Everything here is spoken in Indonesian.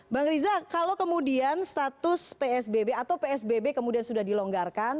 bang riza kalau kemudian status psbb atau psbb kemudian sudah dilonggarkan